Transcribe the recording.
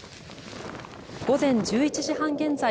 午前１１時半現在